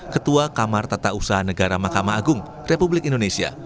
ketua kamar tata usaha negara mahkamah agung republik indonesia